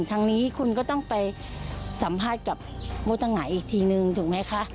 ทางนี้คุณก็ต้องไปสัมภาษณ์กับผู้ต้องหาอีกทีนึงถูกไหมคะ